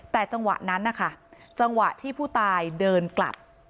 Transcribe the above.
แต่จังหวะนั้นนะคะจังหวะที่ผู้ตายเดินกลับ